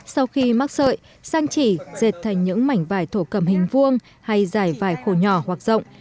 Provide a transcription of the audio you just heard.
sau khi mắc sợi sang chỉ dệt thành những mảnh vải thổ cầm hình vuông hay giải vải khổ nhỏ hoặc rộng